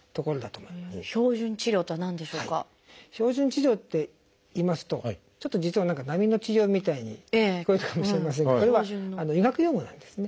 「標準治療」っていいますとちょっと実は何か並の治療みたいに聞こえたかもしれませんがこれは医学用語なんですね。